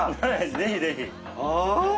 ぜひぜひ。